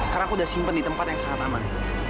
karena aku udah simpen di tempat yang sangat aman